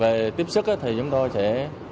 về tiếp sức thì chúng tôi sẽ